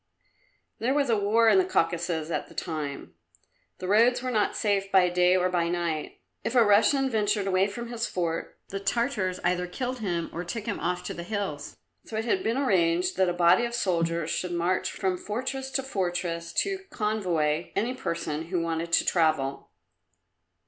There was a war in the Caucasus at the time. The roads were not safe by day or by night. If a Russian ventured away from his fort, the Tartars either killed him or took him off to the hills. So it had been arranged that a body of soldiers should march from fortress to fortress to convoy any person who wanted to travel.